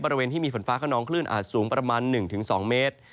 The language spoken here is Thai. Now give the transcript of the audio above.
บริเวณที่มีฝนฟ้าขนองคลื่นอาจสูงประมาณ๑๒เมตร